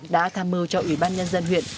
đã tham mưu cho ủy ban nhân dân huyện